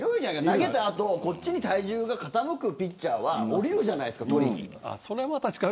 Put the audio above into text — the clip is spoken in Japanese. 投げたあとこっちに体重が傾くピッチャーは降りるじゃないですか。